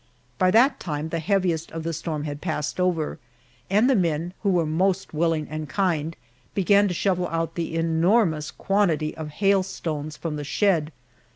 By that time the heaviest of the storm had passed over, and the men, who were most willing and kind, began to shovel out the enormous quantity of hailstones from the shed.